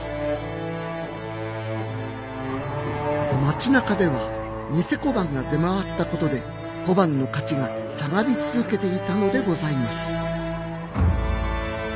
町なかでは贋小判が出回ったことで小判の価値が下がり続けていたのでございます